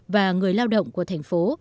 và người lao động của thành phố